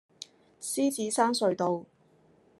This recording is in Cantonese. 獅子山隧道